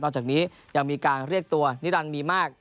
จากนี้ยังมีการเรียกตัวนิรันดิมีมาก